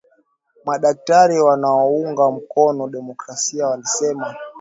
madaktari wanaounga mkono demokrasia walisema